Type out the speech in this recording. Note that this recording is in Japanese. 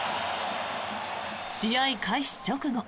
試合開始直後